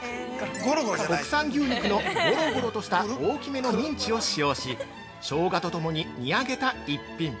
◆国産牛肉のゴロゴロとした大きめのミンチを使用しショウガとともに煮上げた逸品。